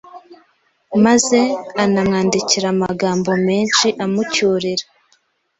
maze anamwandikira amagambo menshi amucyurira